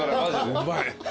うまい。